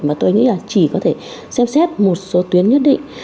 mà tôi nghĩ là chỉ có thể xem xét một số tuyến nhất định